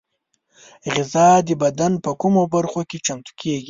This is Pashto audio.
غذا د بدن په کومو برخو کې چمتو کېږي؟